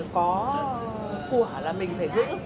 có của là mình phải giữ